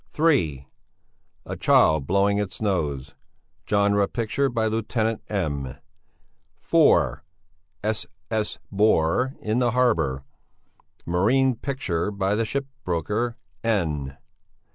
(3) 'A Child blowing its Nose,' genre picture by lieutenant M. (4) 'S. S. Bore in the Harbour,' marine picture by the shipbroker N.